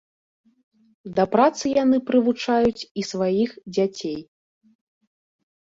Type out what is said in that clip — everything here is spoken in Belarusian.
Да працы яны прывучваюць і сваіх дзяцей.